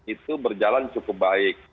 itu berjalan cukup baik